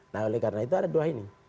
nah oleh karena itu ada dua ini